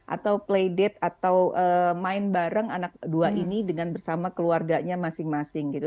atau playdate atau main bareng anak dua ini dengan bersama keluarganya masing masing gitu